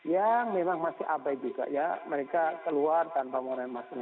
yang memang masih abai juga ya mereka keluar tanpa mengurangi masker